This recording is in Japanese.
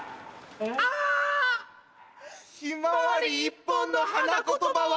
ひまわり１本の花言葉は。